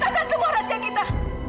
dan menceritakan semua rahasia kita